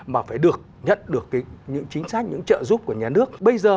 mà phải được nhận được những chính sách những trợ giúp của nhà nước